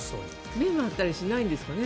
目が回ったりしないんですかね。